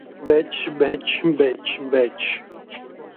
Mehnatli osh osh bo'lar